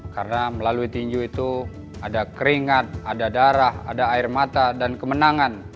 karena melalui tingju itu ada keringat ada darah ada air mata dan kemenangan